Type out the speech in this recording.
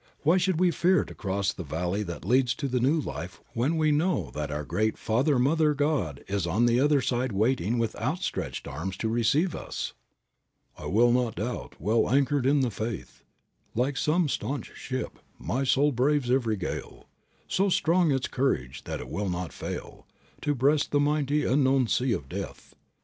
Why should we fear to cross the valley that leads to the new life when we know that our great Father Mother God is on the other side waiting with outstretched arms to receive us? "I will not doubt; well anchored in the faith, Like some stanch ship, my soul braves every gale, So strong its courage that it will not fail To breast the mighty unknown sea of Death.